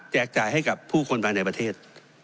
จ่ายให้กับผู้คนภายในประเทศ